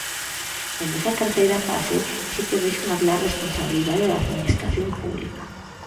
E nesa terceira fase si que vexo unha clara responsabilidade da administración pública.